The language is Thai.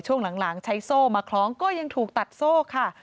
ช่วงหลังใช้โซ่มาคล้องก็ยังถูกตัดโซ่ค่ะ